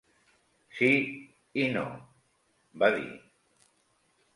"Si i no", va dir.